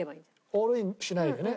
オールインしないでね